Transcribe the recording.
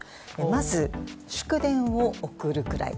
まず祝電を送るくらい。